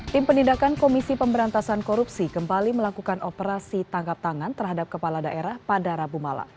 tim penindakan komisi pemberantasan korupsi kembali melakukan operasi tangkap tangan terhadap kepala daerah pada rabu malam